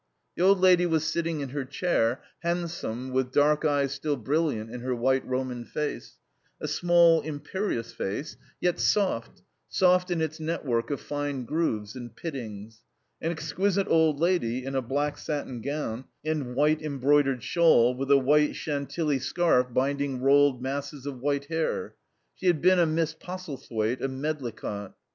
The old lady was sitting in her chair, handsome, with dark eyes still brilliant in her white Roman face, a small imperious face, yet soft, soft in its network of fine grooves and pittings. An exquisite old lady in a black satin gown and white embroidered shawl, with a white Chantilly scarf binding rolled masses of white hair. She had been a Miss Postlethwaite, of Medlicott.